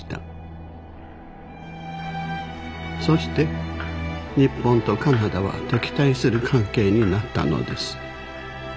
そして日本とカナダは敵対する関係になったのです。